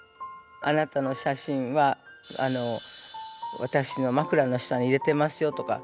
「あなたの写真は私のまくらの下に入れてますよ」とか。